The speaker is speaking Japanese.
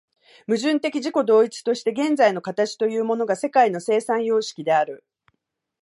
矛盾的自己同一として現在の形というものが世界の生産様式である。